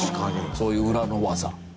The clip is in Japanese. そういう裏の技。